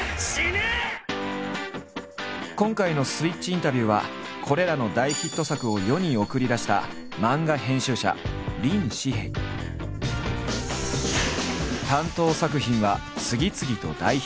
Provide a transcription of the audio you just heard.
今回の「スイッチインタビュー」はこれらの大ヒット作を世に送り出した担当作品は次々と大ヒット。